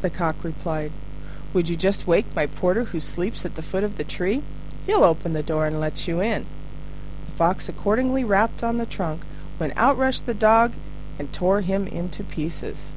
The Cock replied, "Would you just wake my porter who sleeps at the foot of the tree? He'll open the door and let you in." The Fox accordingly rapped on the trunk, when out rushed the Dog and tore him in pieces.